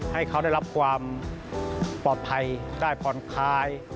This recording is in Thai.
ให้เขาได้รับความปลอดภัยได้ผ่อนคลาย